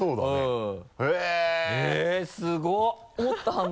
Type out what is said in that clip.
うん。